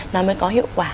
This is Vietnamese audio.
nó mới có hiệu quả